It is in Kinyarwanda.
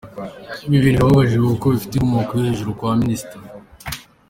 Ibi bintu birababaje kuko bifite inkomoko yo hejuru kwa Minister.